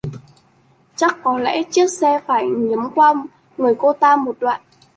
Chắc có lẽ chiếc xe phải nghiếm qua người cô ta một đoạn